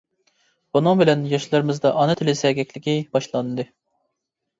بۇنىڭ بىلەن ياشلىرىمىزدا ئانا تىل سەگەكلىكى باشلاندى.